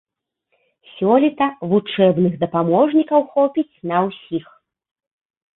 Сёлета вучэбных дапаможнікаў хопіць на усіх.